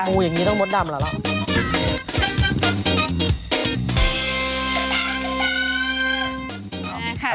ปูอย่างนี้ต้องมดดำแล้วล่ะ